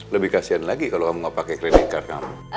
lebih kasian lagi kalau kamu gak pakai keriling kar kamu